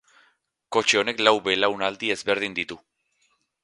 Kotxe honek lau belaunaldi ezberdin ditu.